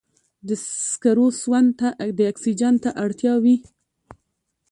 د سکرو سون ته د اکسیجن ته اړتیا وي.